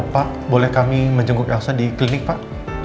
pak boleh kami menjenguk rasa di klinik pak